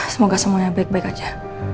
semoga semuanya baik baik aja